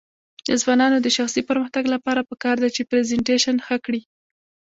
د ځوانانو د شخصي پرمختګ لپاره پکار ده چې پریزنټیشن ښه کړي.